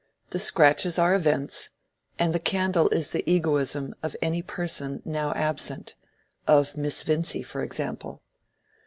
The scratches are events, and the candle is the egoism of any person now absent—of Miss Vincy, for example.